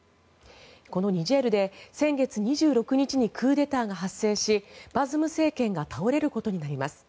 このニジェールで先月２６日にクーデターが発生しバズム政権が倒れることになります。